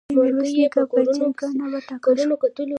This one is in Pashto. آیا میرویس نیکه په جرګه نه وټاکل شو؟